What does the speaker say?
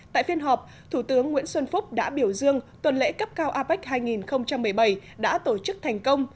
tại phiên họp thủ tướng nguyễn xuân phúc đã biểu dương tuần lễ cấp cao apec hai nghìn một mươi bảy đã tổ chức thành công